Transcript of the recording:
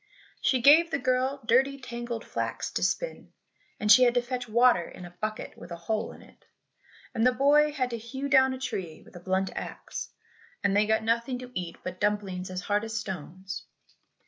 She gave the girl dirty tangled flax to spin, and she had to fetch water in a bucket with a hole in it, and the boy had to hew down a tree with a blunt axe, and they got nothing to eat but dumplings as hard as stones.